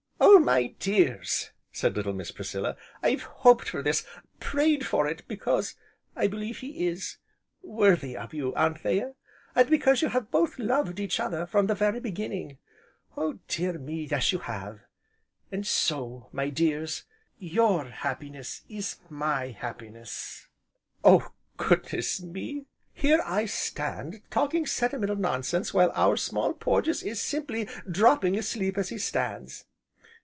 "Oh my dears!" said little Miss Priscilla, "I've hoped for this, prayed for it, because I believe he is worthy of you, Anthea, and because you have both loved each other, from the very beginning; oh dear me; yes you have! And so, my dears, your happiness is my happiness and Oh, goodness me! here I stand talking sentimental nonsense while our Small Porges is simply dropping asleep as he stands."